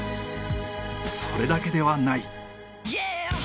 それだけではない。